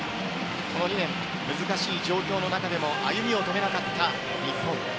この２年、難しい状況の中でも歩みを止めなかった日本。